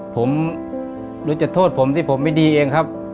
ผมหรือจะโทษผมที่ผมไม่ดีเองครับ